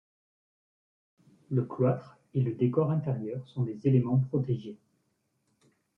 Le cloître et le décor intérieur sont des éléments protégés.